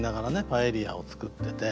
パエリアを作ってて。